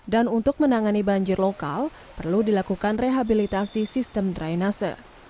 dan untuk menangani banjir lokal perlu dilakukan rehabilitasi sistem drainase